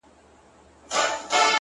د نظرونو په بدل کي مي فکرونه راوړل”